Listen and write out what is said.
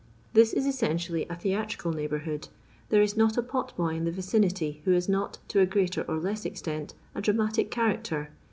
This is essentially a theatrictd neighbourhood. There is not a potboy in the viciuity who is not, to a greater or less extent, a dramatic character.